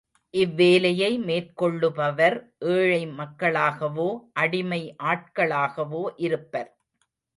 இவ்வேலையை மேற்கொள்ளுபவர் ஏழை மக்களாகவோ அடிமை ஆட்களாகவோ இருப்பர்.